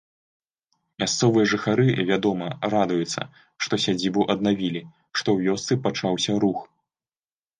Мясцовыя жыхары, вядома, радуюцца, што сядзібу аднавілі, што ў вёсцы пачаўся рух.